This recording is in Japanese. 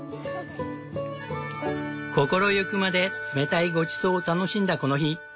心ゆくまで冷たいごちそうを楽しんだこの日。